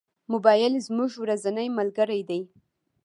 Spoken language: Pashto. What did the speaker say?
موبایل زموږ ورځنی ملګری دی.